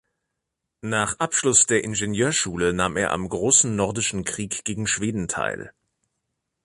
Nach Abschluss der Ingenieurschule nahm er am Großen Nordischen Krieg gegen Schweden teil.